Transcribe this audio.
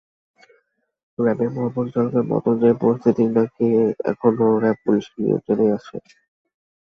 র্যাবের মহাপরিচালকের মত অনুযায়ী, পরিস্থিতি নাকি এখনো র্যাব পুলিশের নিয়ন্ত্রণেই আছে।